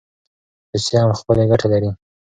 روسیه هم خپلي ګټي لري.